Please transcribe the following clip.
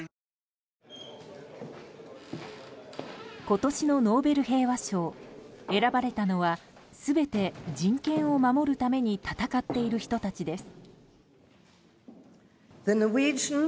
今年のノーベル平和賞選ばれたのは全て人権を守るために戦っている人たちです。